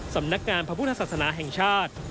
สำนักงานพระพุทธศาสนาแห่งชาติ